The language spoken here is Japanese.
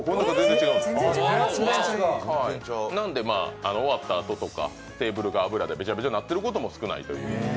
なのでまあ、終わったあととかテーブルが脂でべちゃべちゃになってることも少ないという。